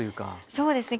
そうですね